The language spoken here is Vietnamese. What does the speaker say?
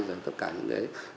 rồi tất cả những đấy